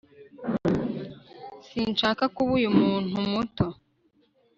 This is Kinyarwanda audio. sinshaka kuba uyu muntu muto